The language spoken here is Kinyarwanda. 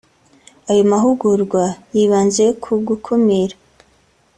Ayo mahugurwa yibanze ku gukumira